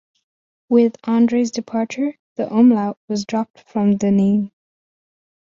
With Andre's departure, the umlaut was dropped from the name.